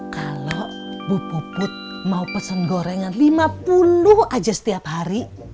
kalau bu puput mau pesen gorengan lima puluh aja setiap hari